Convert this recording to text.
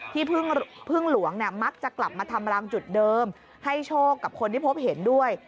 ที่พึ่งหลวงเนี่ยมักจะกลับมาทำรังจุดเดิมให้โชคกับคนที่พบเห็นด้วย